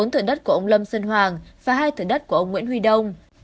bốn thử đất của ông lâm sơn hoàng và hai thử đất của ông nguyễn huy đông